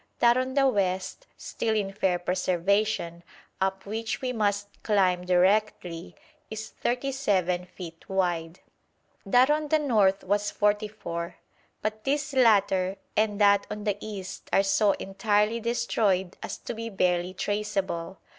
That on the west, still in fair preservation, up which we must climb directly, is 37 feet wide. That on the north was 44, but this latter and that on the east are so entirely destroyed as to be barely traceable.